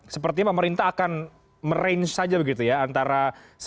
seperti pemerintah akan merange saja antara satu tujuh ratus lima puluh